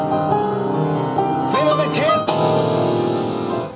すいません！